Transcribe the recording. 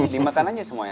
dimakan aja semuanya